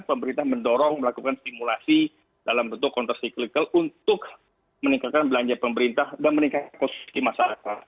pemerintah mendorong melakukan simulasi dalam bentuk kontrak siklikal untuk meningkatkan belanja pemerintah dan meningkatkan kos di masyarakat